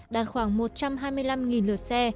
đạt khoảng một trăm hai mươi triệu khách một lượt